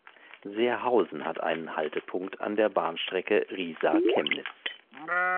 Seerhausen hat einen Haltepunkt an der Bahnstrecke Riesa–Chemnitz.